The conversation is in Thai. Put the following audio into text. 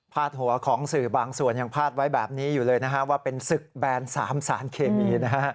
หัวของสื่อบางส่วนยังพาดไว้แบบนี้อยู่เลยนะฮะว่าเป็นศึกแบน๓สารเคมีนะฮะ